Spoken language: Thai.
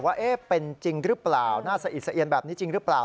ว่าเป็นจริงหรือเปล่าหน้าสะอิดสะเอียนแบบนี้จริงหรือเปล่า